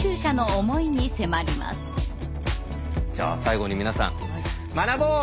じゃあ最後に皆さん学ぼう！